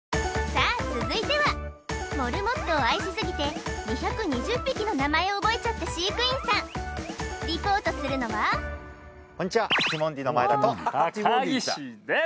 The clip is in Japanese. さあ続いてはモルモットを愛しすぎて２２０匹の名前を覚えちゃった飼育員さんリポートするのはこんちはティモンディの前田と高岸です